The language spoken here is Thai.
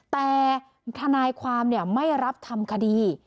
แต่ทนายความไม่รับทำคดี